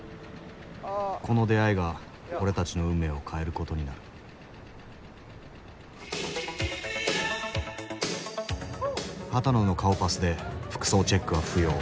この出会いが俺たちの運命を変えることになる波多野の顔パスで服装チェックは不要。